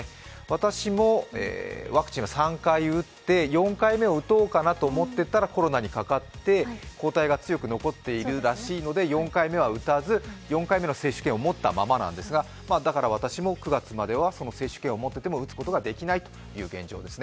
私もワクチンは３回打って４回目を打とうと思ってたらコロナにかかって抗体が強く残っているらしいので、４回目は打たず、４回目の接種券を持ったままなんですが、だから私も９月までは接種券を持っていても打つことができないということです。